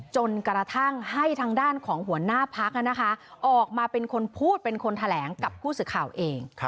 จนกระทั่งให้ทางด้านของหัวหน้าพักออกมาเป็นคนพูดเป็นคนแถลงกับผู้สื่อข่าวเอง